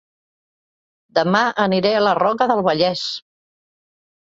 Dema aniré a La Roca del Vallès